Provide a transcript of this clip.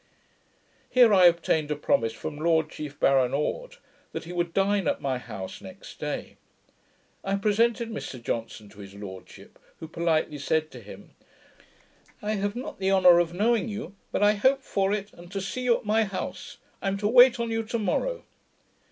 Here I obtained a promise from Lord Chief Baron Orde, that he would dine at my house next day. I presented Mr Johnson to his Lordship, who politely said to him, 'I have not the honour of knowing you; but I hope for it, and to see you at my house. I am to wait on you tomorrow.'